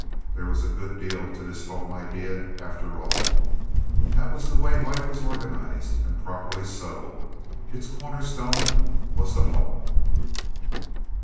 There was a good deal to this home idea, after all. That was the way life was organized, and properly so—its cornerstone was the home.